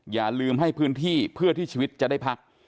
อย่าลืมให้พื้นที่เพื่อที่ชีวิตจะได้พัก